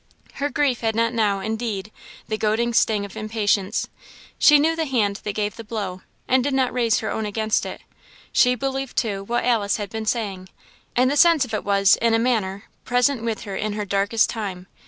Her grief had not now, indeed, the goading sting of impatience: she knew the hand that gave the blow, and did not raise her own against it; she believed, too, what Alice had been saying, and the sense of it was, in a manner, present with her in her darkest time.